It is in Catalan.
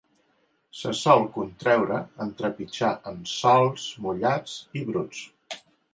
Se sol contreure en trepitjar en sòls mullats i bruts.